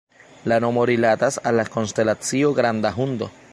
La nomo rilatas al la konstelacio Granda Hundo.